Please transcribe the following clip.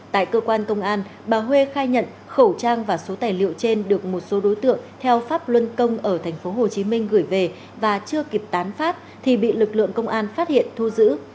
tại cơ quan công an bà huê khai nhận khẩu trang và số tài liệu trên được một số đối tượng theo pháp luân công ở tp hcm gửi về và chưa kịp tán phát thì bị lực lượng công an phát hiện thu giữ